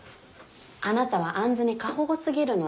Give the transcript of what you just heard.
あなたは杏に過保護過ぎるの。